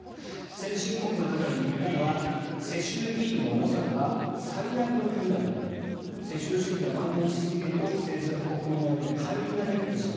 先進国の中で日本は世襲議員の多さでは最悪の国だと思う世襲主義がまん延しすぎると政治家と国民との間にかい離ができてしまう。